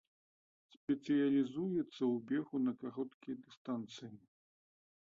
Спецыялізуецца ў бегу на кароткія дыстанцыі.